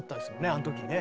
あの時ね。